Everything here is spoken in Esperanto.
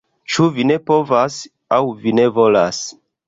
Ĉu vi ne povas, aŭ vi ne volas?